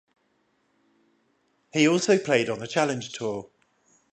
He also played on the Challenge Tour.